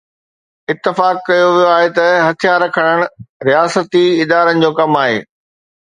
اتفاق ڪيو ويو آهي ته هٿيار کڻڻ رياستي ادارن جو ڪم آهي.